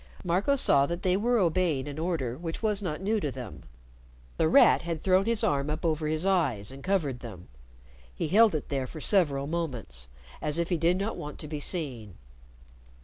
Marco saw that they were obeying an order which was not new to them. The Rat had thrown his arm up over his eyes and covered them. He held it there for several moments, as if he did not want to be seen.